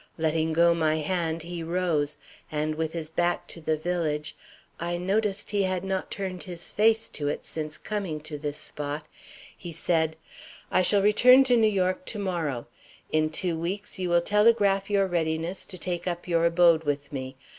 Letting go my hand, he rose, and with his back to the village I noticed he had not turned his face to it since coming to this spot he said: "I shall return to New York to morrow. In two weeks you will telegraph your readiness to take up your abode with me.